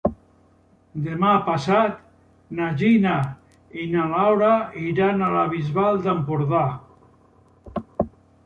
Demà passat na Gina i na Laura iran a la Bisbal d'Empordà.